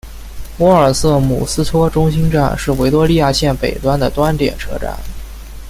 沃尔瑟姆斯托中心站是维多利亚线北端的端点车站。